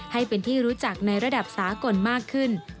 ให้เป็นที่รู้จักในระดับสากลมากขึ้น